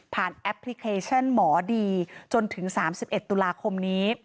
แอปพลิเคชันหมอดีจนถึง๓๑ตุลาคมนี้